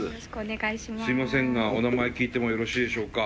すいませんがお名前聞いてもよろしいでしょうか？